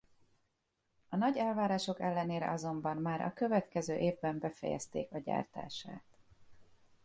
A nagy elvárások ellenére azonban már a következő évben befejezték a gyártását.